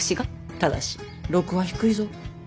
ただし禄は低いぞ。